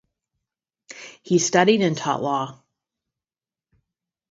He studied and taught law.